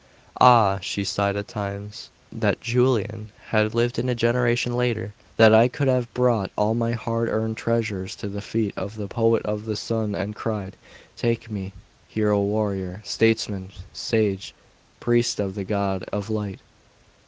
'Ah!' she sighed at times, 'that Julian had lived a generation later! That I could have brought all my hard earned treasures to the feet of the Poet of the Sun, and cried, "Take me! Hero, warrior, statesman, sage, priest of the God of Light!